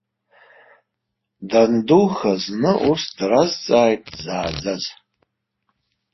Дандуха, зны ус дразҵааит дзааӡаз.